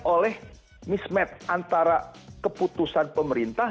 oleh mismatch antara keputusan pemerintah